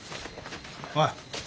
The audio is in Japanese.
おい。